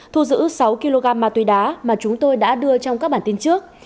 thu giữ sáu kg ma túy đá mà chúng tôi đã đưa trong các bản tin trước